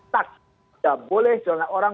tak boleh orang